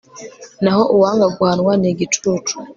naho uwanga guhanwa ni igicucu